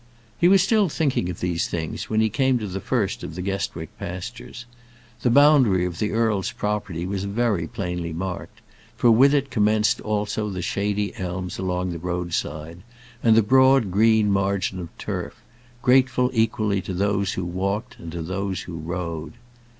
He was still thinking of these things when he came to the first of the Guestwick pastures. The boundary of the earl's property was very plainly marked, for with it commenced also the shady elms along the roadside, and the broad green margin of turf, grateful equally to those who walked and to those who rode.